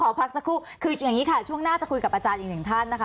พักสักครู่คืออย่างนี้ค่ะช่วงหน้าจะคุยกับอาจารย์อีกหนึ่งท่านนะคะ